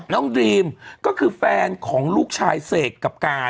ดรีมก็คือแฟนของลูกชายเสกกับการ